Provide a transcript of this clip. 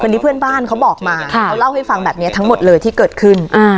อันนี้เพื่อนบ้านเขาบอกมาเขาเล่าให้ฟังแบบนี้ทั้งหมดเลยที่เกิดขึ้น